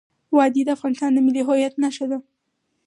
وادي د افغانستان د ملي هویت نښه ده.